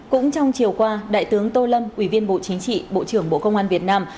cũng trong chiều qua đại tướng tô lâm ủy viên bộ chính trị bộ trưởng bộ công an việt nam